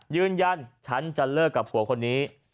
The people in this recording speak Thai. ยืนยันฉันจะเลิกกับผัวคนนี้